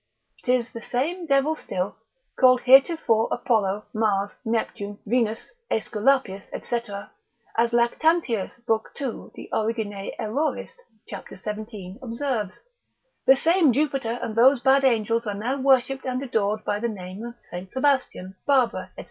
'Tis the same devil still, called heretofore Apollo, Mars, Neptune, Venus, Aesculapius, &c. as Lactantius lib. 2. de orig. erroris, c. 17. observes. The same Jupiter and those bad angels are now worshipped and adored by the name of St. Sebastian, Barbara, &c.